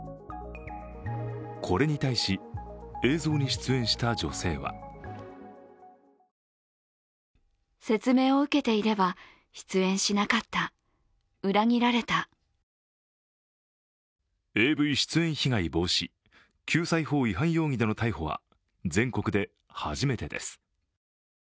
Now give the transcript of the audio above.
これに対し映像に出演した女性はＡＶ出演被害防止・救済法違反容疑での逮捕は全国で初めてです。